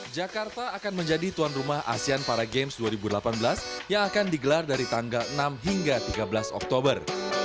jakarta akan menjadi tuan rumah asean para games dua ribu delapan belas yang akan digelar dari tanggal enam hingga tiga belas oktober